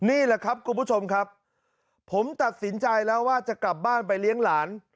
นี่แหละครับคุณผู้ชมครับผมตัดสินใจแล้วว่าจะกลับบ้านไปเลี้ยงหลาน